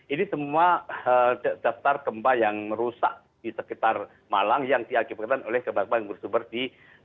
ini semua daftar gempa yang merusak di sekitar malang yang diakibatkan oleh gempa gempa yang bersumber di